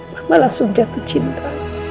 mamah langsung jatuh cinta